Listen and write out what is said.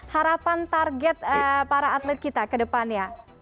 harapan target para atlet kita ke depannya